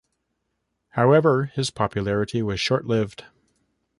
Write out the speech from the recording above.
However, his popularity was short lived.